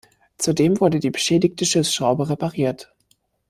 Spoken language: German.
Zudem wurde die beschädigte Schiffsschraube repariert.